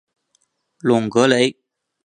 隆格雷。